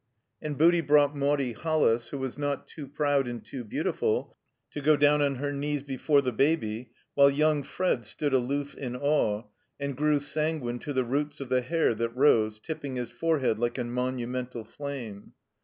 And Booty brought Maudie HoUis, who was not too proud and too beautif til to go down on her knees before the Baby, while yoimg Fred stood aloof in awe, and grew sanguine to the roots of the hair that rose, tipping his forehead like a monu mental flame.